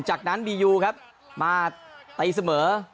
จากนั้นบียูครับมาตีเสมอ